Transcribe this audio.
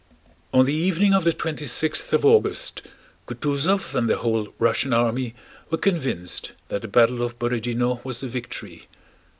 On the evening of the twenty sixth of August, Kutúzov and the whole Russian army were convinced that the battle of Borodinó was a victory.